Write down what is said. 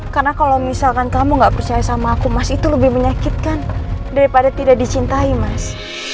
karena kalau misalkan kamu gak percaya sama aku mas itu lebih menyakitkan daripada tidak dicintai mas